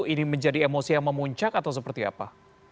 ini menjadi emosi yang memuncak atau seperti apa